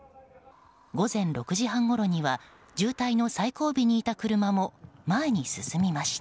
午前６時半ごろには渋滞の最後尾にいた車も前に進みました。